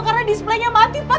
karena displaynya mati pak